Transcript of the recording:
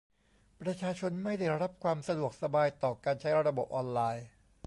ประชาชนไม่ได้รับความสะดวกสบายต่อการใช้ระบบออนไลน์